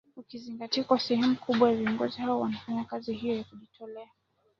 ukizingatia kuwa sehemu kubwa ya viongozi hao wanafanya kazi hiyo kwa kujitolea